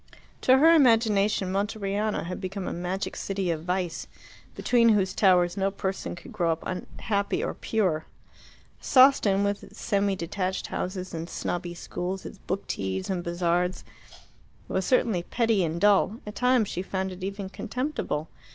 To her imagination Monteriano had become a magic city of vice, beneath whose towers no person could grow up happy or pure. Sawston, with its semi detached houses and snobby schools, its book teas and bazaars, was certainly petty and dull; at times she found it even contemptible.